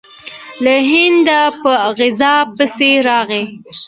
له هنده په غزا پسې راغلی.